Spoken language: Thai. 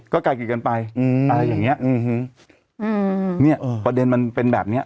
ก็กลายกิจกันไปอืมอะไรอย่างเงี้ยอืมฮืมเนี้ยประเด็นมันเป็นแบบเนี้ย